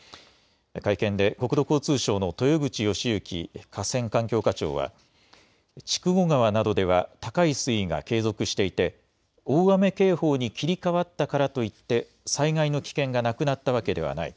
会見で国土交通省の豊口佳之河川環境課長は、筑後川などでは高い水位が継続していて、大雨警報に切り替わったからといって、災害の危険がなくなったわけではない。